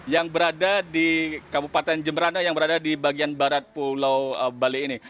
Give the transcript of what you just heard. yang berada di kabupaten jemberana yang berada di bagian barat pulau bali ini